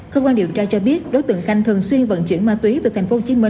cơ quan điều tra cho biết đối tượng khanh thường xuyên vận chuyển ma túy về tp hcm